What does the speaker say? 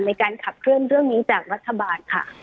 ในการขับเคลื่อนเรื่องนี้จากรัฐบาลค่ะ